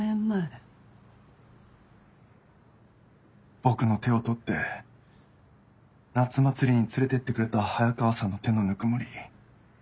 僕の手を取って夏祭りに連れてってくれた早川さんの手のぬくもり。